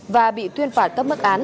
và bị tuyên phạt các mức án